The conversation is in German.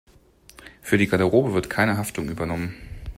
Für die Garderobe wird keine Haftung übernommen.